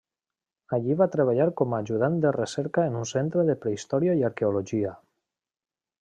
Allí va treballar com a ajudant de recerca en un centre de prehistòria i arqueologia.